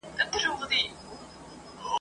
موږ نه پوهیږو چي رباب !.